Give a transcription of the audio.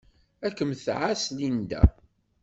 Ad kem-tɛass Linda.